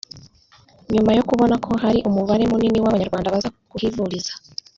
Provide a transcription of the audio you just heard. nyuma yo kubona ko hari umubare munini w’abanyarwanda baza kuhivuriza